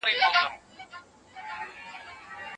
څوک د اولادونو په روزنه کي مسؤل دی؟